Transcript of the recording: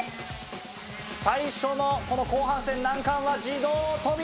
最初のこの後半戦難関は自動扉。